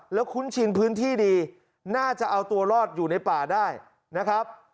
แล้วคุ้นชินพื้นที่ดีน่าจะเอาตัวรอดอยู่ในป่าได้นะครับ